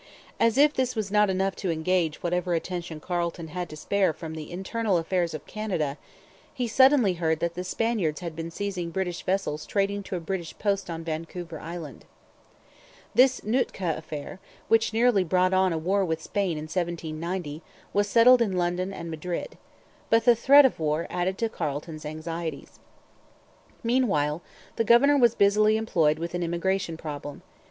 As if this was not enough to engage whatever attention Carleton had to spare from the internal affairs of Canada, he suddenly heard that the Spaniards had been seizing British vessels trading to a British post on Vancouver Island. [Footnote: See Pioneers of the Pacific Coast in this Series.] This Nootka Affair, which nearly brought on a war with Spain in 1790, was settled in London and Madrid. But the threat of war added to Carleton's anxieties. Meanwhile the governor was busily employed with an immigration problem.